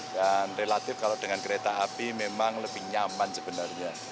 dan relatif kalau dengan kereta api memang lebih nyaman sebenarnya